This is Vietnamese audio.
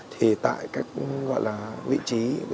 thì tại các gọi là vị trí